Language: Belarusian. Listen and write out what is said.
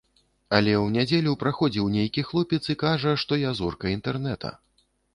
Але ў нядзелю праходзіў нейкі хлопец і кажа, што я зорка інтэрнэта.